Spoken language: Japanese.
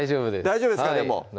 大丈夫ですかね